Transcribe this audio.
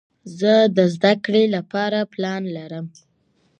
زه د زده کړې له پاره پلان لرم.